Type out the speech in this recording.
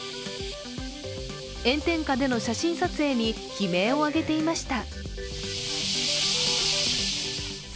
炎天下での写真撮影に悲鳴を上げていました。